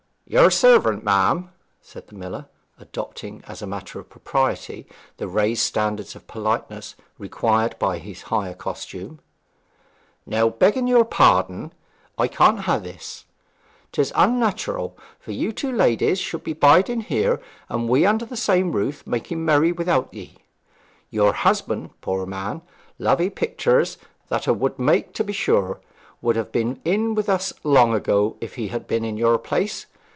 'Your servant, ma'am,' said the miller, adopting as a matter of propriety the raised standard of politeness required by his higher costume. 'Now, begging your pardon, I can't hae this. 'Tis unnatural that you two ladies should be biding here and we under the same roof making merry without ye. Your husband, poor man lovely picters that a' would make to be sure would have been in with us long ago if he had been in your place.